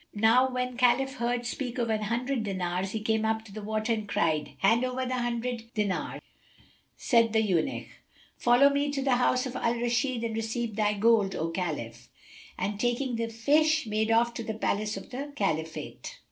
Now when Khalif heard speak of an hundred dinars, he came up out of the water and cried, "Hand over the hundred dinars." Said the eunuch, "Follow me to the house of Al Rashid and receive thy gold, O Khalif;" and, taking the fish, made off to the Palace of the Caliphate.